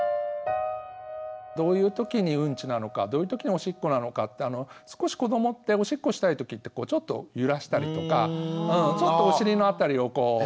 どういう時にうんちなのかどういう時におしっこなのか少し子どもっておしっこしたい時ってちょっと揺らしたりとかちょっとお尻の辺りをこうしたりとか。